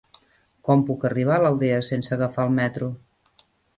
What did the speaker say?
Com puc arribar a l'Aldea sense agafar el metro?